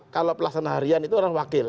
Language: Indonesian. kalau pelaksana harian itu orang wakil